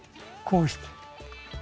こうして。